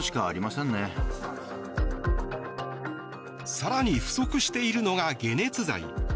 更に不足しているのが解熱剤。